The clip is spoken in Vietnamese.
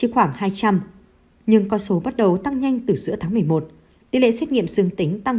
khoảng hai trăm linh nhưng con số bắt đầu tăng nhanh từ giữa tháng một mươi một tỷ lệ xét nghiệm dương tính tăng